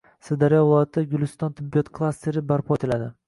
Sirdaryo viloyatida – “Guliston tibbiyot klasteri” barpo etiladi